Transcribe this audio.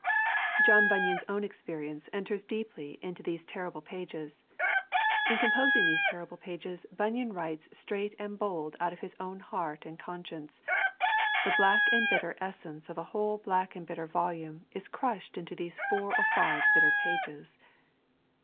John Bunyan's own experience enters deeply into these terrible pages. In composing these terrible pages, Bunyan writes straight and bold out of his own heart and conscience. The black and bitter essence of a whole black and bitter volume is crushed into these four or five bitter pages.